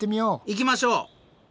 行きましょう！